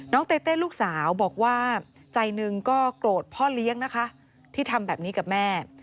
เต้เต้ลูกสาวบอกว่าใจหนึ่งก็โกรธพ่อเลี้ยงนะคะที่ทำแบบนี้กับแม่